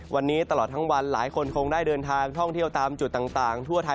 วันนี้ตลอดทั้งวันหลายคนคงได้เดินทางท่องเที่ยวตามจุดต่างทั่วไทย